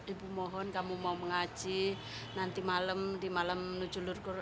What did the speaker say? ibu mohon kamu mau mengaji nanti malam di malam menuju lurkurul